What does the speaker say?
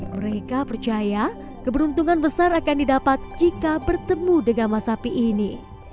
mereka percaya keberuntungan besar akan didapat jika bertemu dengan masapi ini